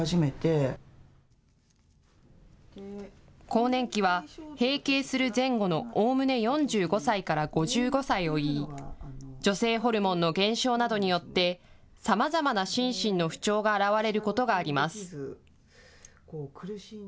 更年期は閉経する前後のおおむね４５歳から５５歳をいい、女性ホルモンの減少などによって、さまざまな心身の不調が現れることがあります。